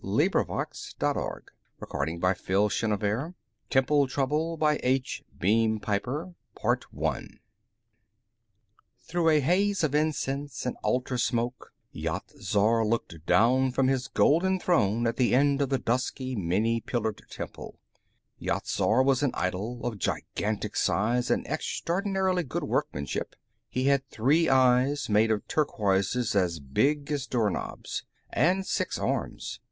And so can men, for that matter.... Illustrated by Rogers Through a haze of incense and altar smoke, Yat Zar looked down from his golden throne at the end of the dusky, many pillared temple. Yat Zar was an idol, of gigantic size and extraordinarily good workmanship; he had three eyes, made of turquoises as big as doorknobs, and six arms.